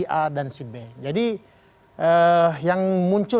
sebenarnya hal ini bukan untuk menjauhi